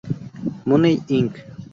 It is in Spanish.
Money Inc.